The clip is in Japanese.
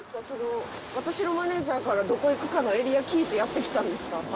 私のマネジャーからどこ行くかのエリア聞いてやって来たんですか？